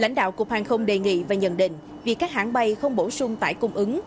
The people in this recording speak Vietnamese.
lãnh đạo cục hàng không đề nghị và nhận định việc các hãng bay không bổ sung tải cung ứng